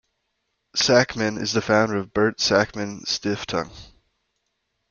Sakmann is the founder of the Bert-Sakmann-Stiftung.